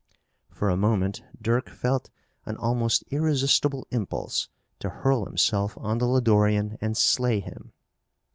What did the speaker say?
For a moment Dirk felt an almost irresistible impulse to hurl himself on the Lodorian and slay him.